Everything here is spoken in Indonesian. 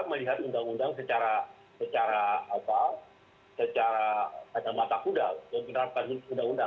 melihat undang undang secara ada mata kuda